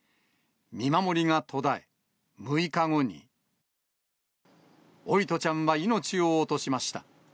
見守りが途絶え、６日後に桜利斗ちゃんは命を落としました。